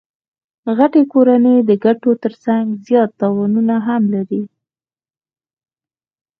غټي کورنۍ د ګټو ترڅنګ زیات تاوانونه هم لري.